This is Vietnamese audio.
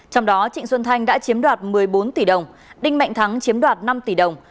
trong đó trịnh xuân thanh đã chiếm đoạt một mươi bốn tỷ đồng đinh mạnh thắng chiếm đoạt năm tỷ đồng